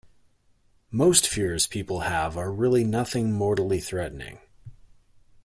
Most fears people have are really nothing mortally threatening.